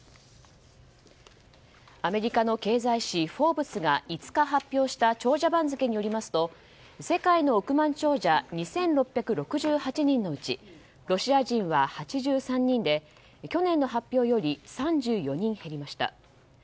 アメリカの経済誌「フォーブス」が５日発表した長者番付によりますと世界の億万長者２６６８人のうちロシア人は８３人で去年の発表より３４人減りました。